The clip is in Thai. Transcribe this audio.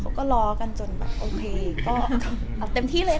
เค้าก็ลอกันจนโอเคก็เต็มที่เลยค่ะ